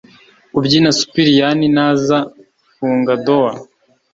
kubyina supiriyani naza funga dowa.